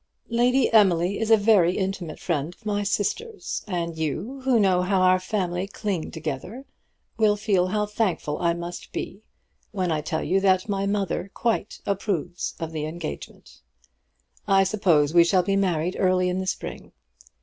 Lady Emily is a very intimate friend of my sister's; and you, who know how our family cling together, will feel how thankful I must be when I tell you that my mother quite approves of the engagement. I suppose we shall be married early in the spring.